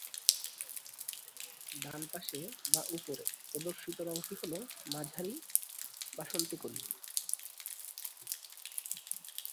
ডানপাশে বা উপরে প্রদর্শিত রঙটি হলো মাঝারি বাসন্তী কলি।